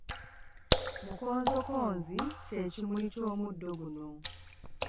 Mukonzokonzi kye kimuli ky’omuddo guno.